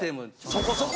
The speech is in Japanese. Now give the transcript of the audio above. そこそこ。